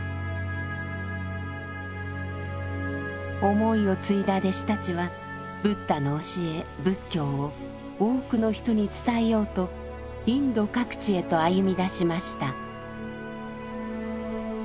思いを継いだ弟子たちはブッダの教え仏教を多くの人に伝えようとインド各地へと歩み出しました。